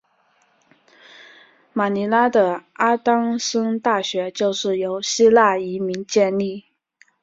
马尼拉的阿当森大学就是由希腊移民建立。